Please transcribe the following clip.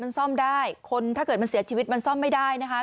มันซ่อมได้คนถ้าเกิดมันเสียชีวิตมันซ่อมไม่ได้นะคะ